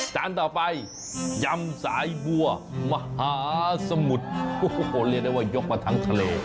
จานต่อไปยำสายบัวมหาสมุทรโอ้โหเรียกได้ว่ายกมาทั้งทะเล